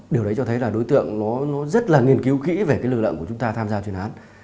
điều đấy cho thấy là đối tượng nó rất là nghiên cứu kỹ về cái lực lượng của chúng ta tham gia chuyên án